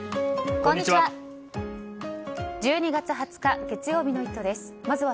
こんにちは。